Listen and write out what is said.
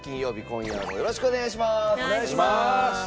今夜もよろしくお願いします。